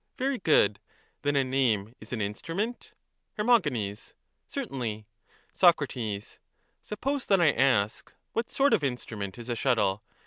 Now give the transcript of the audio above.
Very good: then a name is an instrument? Her. Certainly. Soc. Suppose that I ask, ' What sort of instrument is a shuttle?